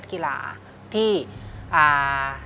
ที่ผ่านมาที่มันถูกบอกว่าเป็นกีฬาพื้นบ้านเนี่ย